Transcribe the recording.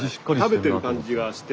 食べてる感じがして。